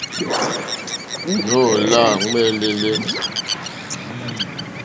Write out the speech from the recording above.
Nóò lâ ŋwɛ́ǃɛ́lɛ́.